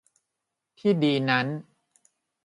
ที่ดีนั้น